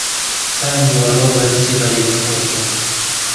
تا نیوەڕۆ بەر سێبەرێکی خۆش بوو